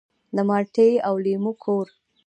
د مالټې او لیمو کور.